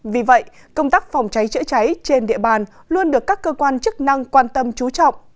vì vậy công tác phòng cháy chữa cháy trên địa bàn luôn được các cơ quan chức năng quan tâm trú trọng